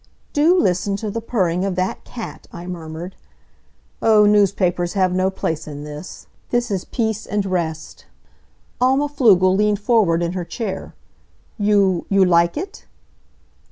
"Do listen to the purring of that cat!" I murmured. "Oh, newspapers have no place in this. This is peace and rest." Alma Pflugel leaned forward in her chair. "You you like it?"